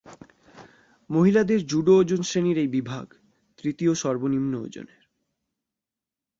মহিলাদের জুডো ওজন শ্রেণীর এই বিভাগ তৃতীয় সর্বনিম্ন ওজনের।